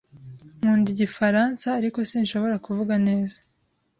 Nkunda igifaransa, ariko sinshobora kuvuga neza.